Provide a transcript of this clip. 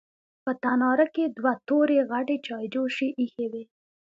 په تناره کې دوه تورې غټې چايجوشې ايښې وې.